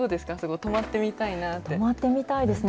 泊まってみたいですね。